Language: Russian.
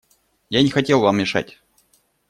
Я не хотел вам мешать.